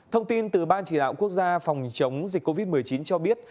thông tin từ ban chỉ đạo quốc gia phòng chống dịch covid một mươi chín cho biết